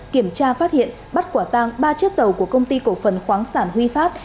kiểm tra phát hiện bắt quả tang ba chiếc tàu của công ty cổ phần khoáng sản huy phát